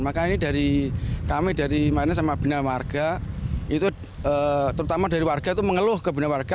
maka ini dari kami dari mana sama benar warga itu terutama dari warga itu mengeluh ke bena warga